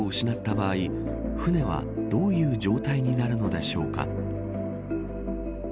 場合舟はどういう状態になるのでしょうか。